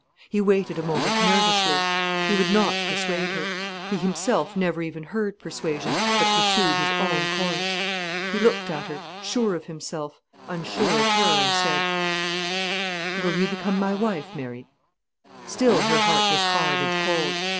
He waited a moment nervously. He would not persuade her. He himself never even heard persuasion, but pursued his own course. He looked at her, sure of himself, unsure of her, and said: "Will you become my wife, Mary?" Still her heart was hard and cold.